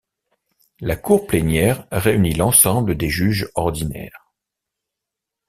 La Cour plénière réunit l'ensemble des juges ordinaires.